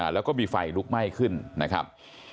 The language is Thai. แล้วก็มีไฟลุกไหม้ขึ้นนะครับ